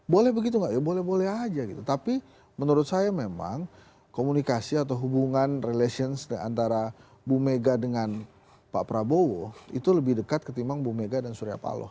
boleh begitu nggak ya boleh boleh aja gitu tapi menurut saya memang komunikasi atau hubungan relations antara bu mega dengan pak prabowo itu lebih dekat ketimbang bu mega dan surya paloh